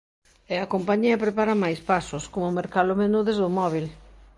E a compañía prepara máis pasos, como mercar o menú desde o móbil.